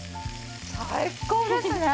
最高ですね。